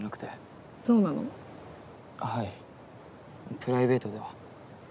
プライベートでは。